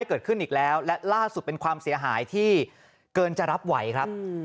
เกิดขึ้นอีกแล้วและล่าสุดเป็นความเสียหายที่เกินจะรับไหวครับ